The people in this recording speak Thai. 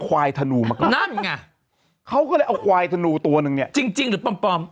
ก็เลยเอาควายถนูตัวนึงเนี่ยจริงจริงหรือปมปม